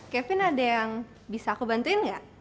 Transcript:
kevin ada yang bisa aku bantuin nggak